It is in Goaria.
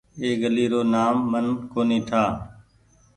اي گلي رو نآم من ڪونيٚ ٺآ۔